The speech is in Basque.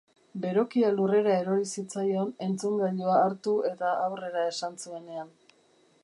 Berokia lurrera erori zitzaion entzungailua hartu eta aurrera esan zuenean.